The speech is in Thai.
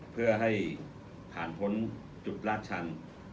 เพื่อให้ผ่านพ้นจุดลาดชัน